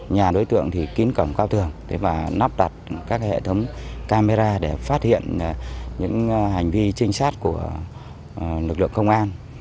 nhà đối tượng thì kín cổng cao thường và nắp đặt các hệ thống camera để phát hiện những hành vi trinh sát của lực lượng công an